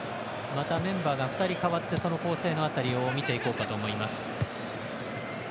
またメンバーが２人代わってその構成を見ていこうかと思います。